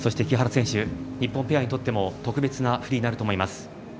木原選手日本ペアにとっても特別なフリーになると思います。